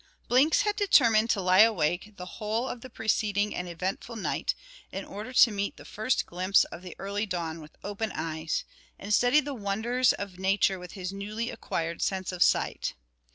Blinks had determined to lie awake the whole of the preceding and eventful night, in order to meet the first glimpse of the early dawn with open eyes, and study the wonders of nature with his newly acquired sense of sight.